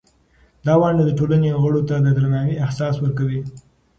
دا ونډه د ټولنې غړو ته د درناوي احساس ورکوي.